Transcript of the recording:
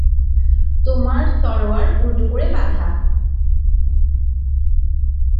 তোমার তরোয়ার উল্টো করে বাঁধা।